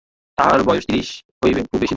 তাঁহার বয়স ত্রিশ হইতে খুব বেশী নয়।